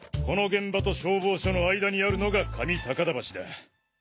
この現場と消防署の間にあるのが上高田橋だ。